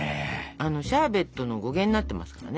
あのシャーベットの語源になってますからね。